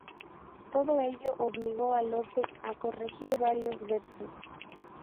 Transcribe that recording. Todo ello obligó a Lope a corregir varios versos.